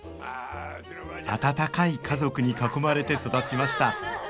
温かい家族に囲まれて育ちました